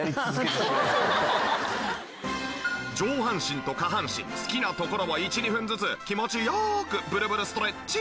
上半身と下半身好きなところを１２分ずつ気持ち良くブルブルストレッチ！